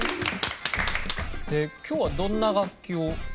今日はどんな楽器を？